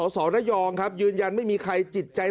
สอระยองครับยืนยันไม่มีใครจิตใจ